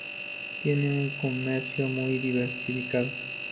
Tiene un comercio muy diversificado.